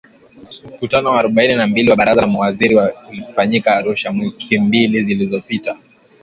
Mkutano wa arobaini na mbili wa Baraza la Mawaziri ulifanyika Arusha, wiki mbili zilizopita.